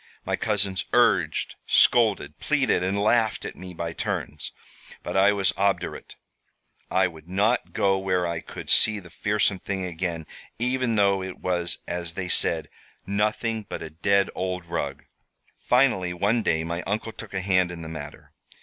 My cousins urged, scolded, pleaded, and laughed at me by turns, but I was obdurate. I would not go where I could see the fearsome thing again, even though it was, as they said, 'nothing but a dead old rug!' "Finally, one day, my uncle took a hand in the matter.